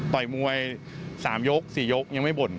มวย๓ยก๔ยกยังไม่บ่น